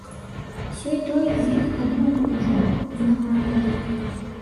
Сёй-той з іх падумваў ужо аб узнагародах.